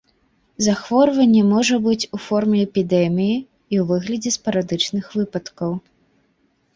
Захворванне можа быць і ў форме эпідэміі, і ў выглядзе спарадычных выпадкаў.